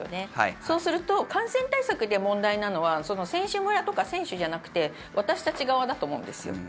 そうすると感染対策で問題なのは選手村とか選手じゃなくて私たち側だと思うんですよ。